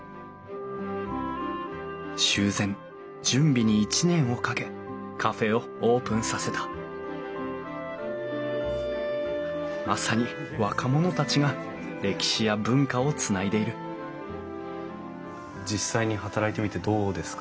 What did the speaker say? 修繕準備に１年をかけカフェをオープンさせたまさに若者たちが歴史や文化をつないでいる実際に働いてみてどうですか？